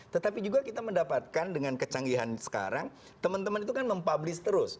tetapi juga kita mendapatkan dengan kecanggihan sekarang teman teman itu kan mempublis terus